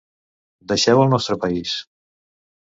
Deixeu el nostre país!